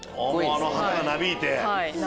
あの旗がなびいて。